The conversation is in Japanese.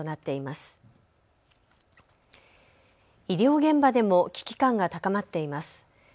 医療現場でも危機感が高まっています。